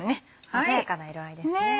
鮮やかな色合いですね。